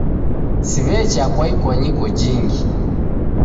Siw'echa kwa ikwanyiko jingi